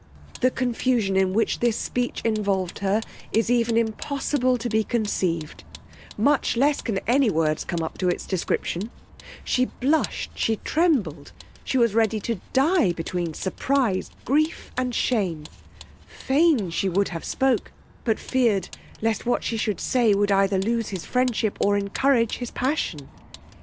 The confusion in which this speech involved her is even impossible to be conceived, much less can any words come up to its description: she blushed; she trembled; she was ready to die between surprize, grief and shame: fain she would have spoke, but feared, lest what she should say would either lose his friendship or encourage his passion.